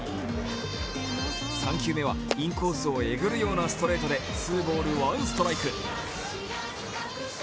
３球目はインコースをえぐるようなストレートでツーボール・ワンストライク。